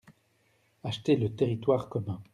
Acheter le territoire commun.